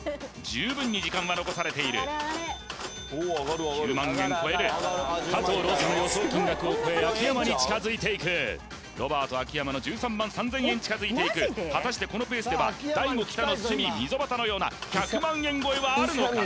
十分に時間は残されている９万円超える加藤ローサの予想金額を超え秋山に近づいていくロバート秋山の１３３０００円近づいていく果たしてこのペースでは大悟北乃鷲見溝端のような１００万円超えはあるのか